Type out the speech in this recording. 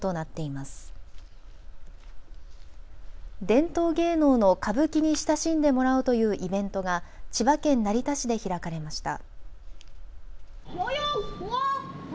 伝統芸能の歌舞伎に親しんでもらおうというイベントが千葉県成田市で開かれました。